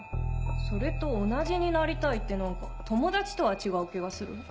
それと同じになりたいって何か友達とは違う気がする。